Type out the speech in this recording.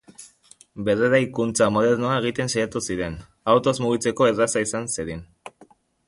Berreraikuntza modernoa egiten saiatu ziren, autoz mugitzeko erraza izan zedin.